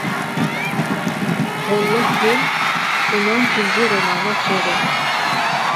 «غوللۇق گۈل» ئۇنىڭ تۇنجى رومانى ئوخشايدۇ.